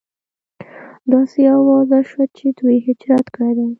داسې اوازه شوه چې دوی هجرت کړی دی.